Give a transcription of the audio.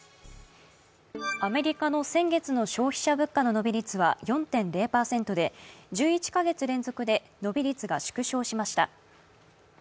アメリカの先月の消費者物価の伸び率は４．０％で１１か月連続で伸び率が縮小しました。